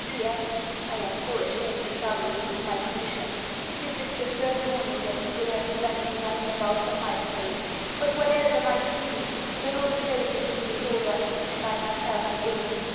D. P.S. I am so ashamed to trouble you with my commissions! This is the third morning that you will have spent in running about for my sake. But what else am I to do? The whole place is in disorder, and I myself am ill.